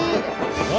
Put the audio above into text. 何？